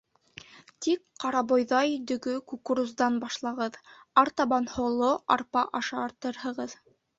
Тик ҡарабойҙай, дөгө, кукуруздан башлағыҙ, артабан һоло, арпа ашатырһығыҙ.